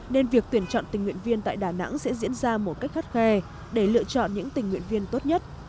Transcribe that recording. nên việc tuyển chọn tình nguyện viên tại đà nẵng sẽ diễn ra một cách khắt khe để lựa chọn những tình nguyện viên tốt nhất